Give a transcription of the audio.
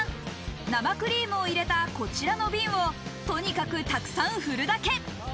生クリームを入れたこちらの瓶をとにかくたくさん振るだけ。